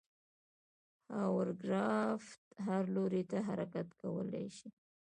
هاورکرافت هر لوري ته حرکت کولی شي.